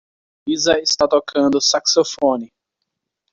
Lisa está tocando saxofone.